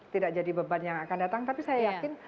tidak jadi beban yang akan datang tapi saya yakin